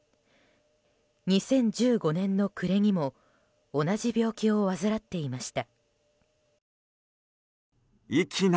２０１５年の暮れにも同じ病気を患っていました。